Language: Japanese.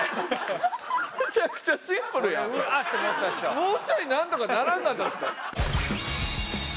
もうちょいなんとかならんかったんですか？